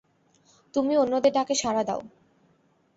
তুমি অন্যদের ডাকে সাড়া দাও।